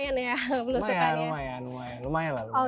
jangan sama sama maksud heran ditangani dimaz grande di kerajaan h estado